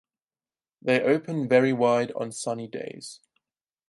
They open very wide on sunny days.